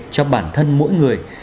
cho bản thân mỗi người